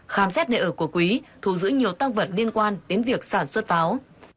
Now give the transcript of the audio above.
khám xét nơi ở của quý thủ giữ nhiều tăng vật liên quan đến việc sản xuất pháo